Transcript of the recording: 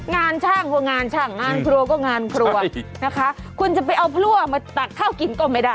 งานช่างก็งานช่างงานครัวก็งานครัวนะคะคุณจะไปเอาพลั่วมาตักข้าวกินก็ไม่ได้